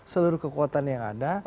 seluruh kekuatan yang ada